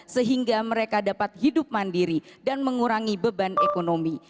sehingga mereka dapat hidup mandiri dan mengurangi beban ekonomi